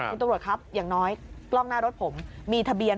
คุณตำรวจครับอย่างน้อยกล้องหน้ารถผมมีทะเบียน